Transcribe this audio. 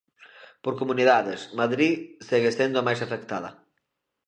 Por comunidades, Madrid segue sendo a máis afectada.